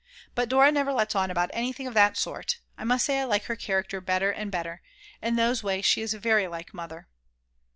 But Dora never lets on about anything of that sort. I must say I like her character better and better; in those ways she is very like Mother.